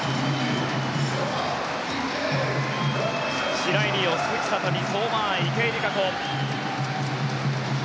白井璃緒、鈴木聡美、相馬あい、池江璃花子。